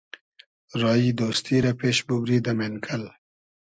رایی دۉستی رۂ پېش بوبری دۂ مېنکئل